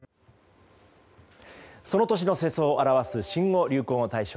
その年の世相を表す新語・流行語大賞。